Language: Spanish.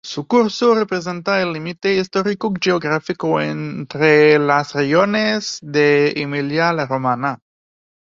Su curso representa el límite histórico-geográfico entre las regiones de Emilia y la Romaña.